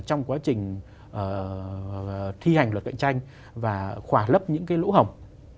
trong quá trình thi hành luật cạnh tranh và khỏa lấp những cái lỗ hồng